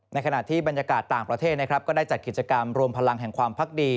ขณะที่บรรยากาศต่างประเทศนะครับก็ได้จัดกิจกรรมรวมพลังแห่งความพักดี